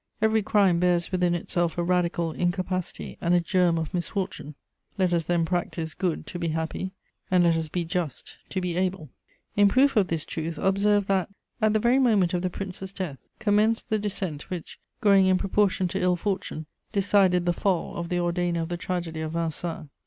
Every crime bears within itself a radical incapacity and a germ of misfortune: let us then practise good to be happy, and let us be just to be able. In proof of this truth, observe that, at the very moment of the Prince's death, commenced the dissent which, growing in proportion to ill fortune, decided the fall of the ordainer of the tragedy of Vincennes.